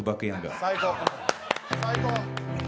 最高！